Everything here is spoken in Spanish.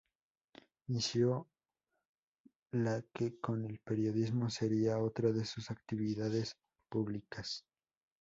Inició la que con el periodismo sería otra de sus actividades públicas.